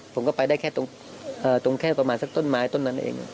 ผมก็ไปได้แค่ตรงแค่ประมาณสักต้นไม้ต้นนั้นเอง